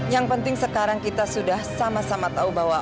yang penting sekarang kita sudah sama sama tahu bahwa